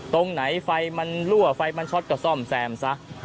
ตรงไหนไฟมันรั่วไฟมันช็อตก็ซ่อมแซมซะ